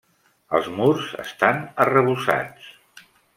Els murs estan arrebossats.